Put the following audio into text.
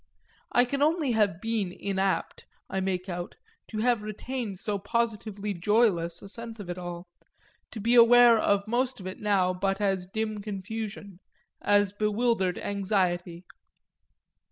I can only have been inapt, I make out, to have retained so positively joyless a sense of it all, to be aware of most of it now but as dim confusion, as bewildered anxiety.